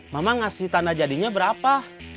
mama ngasih tanah jadinya berapa